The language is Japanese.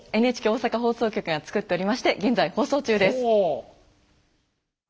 ＮＨＫ大阪放送局が作っておりまして現在放送中です。